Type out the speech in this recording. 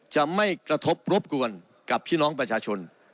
จะไม่กระทบรบกวนกับพี่น้องประชาชน